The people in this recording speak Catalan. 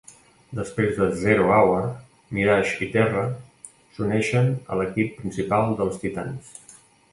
Després de "Zero Hour", Mirage i Terra s'uneixen a l'equip principal dels Titans.